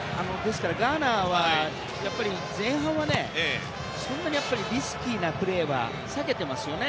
ガーナは前半はそんなにリスキーなプレーは避けてますよね。